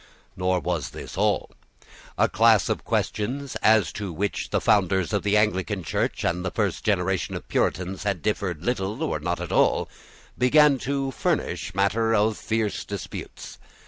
Nor was this all. A class of questions, as to which the founders of the Anglican Church and the first generation of Puritans had differed little or not at all, began to furnish matter for fierce disputes.